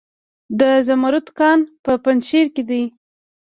د زمرد کان په پنجشیر کې دی